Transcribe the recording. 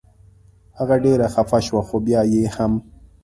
هغه ډېره خفه شوه خو بیا یې هم.